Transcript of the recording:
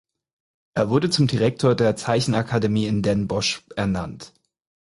Er wurde zum Direktor der Zeichenakademie in Den Bosch ernannt.